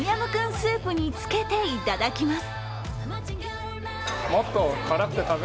スープにつけていただきます。